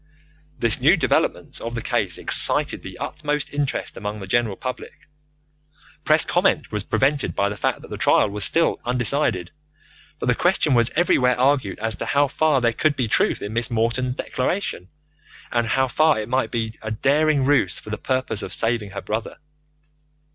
This new development of the case excited the utmost interest among the general public. Press comment was prevented by the fact that the trial was still undecided, but the question was everywhere argued as to how far there could be truth in Miss Morton's declaration, and how far it might be a daring ruse for the purpose of saving her brother.